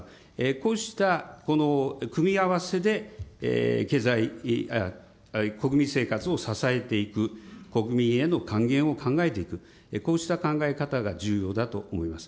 こうしたこの組み合わせで、経済、国民生活を支えていく、国民への還元を考えていく、こうした考え方が重要だと思います。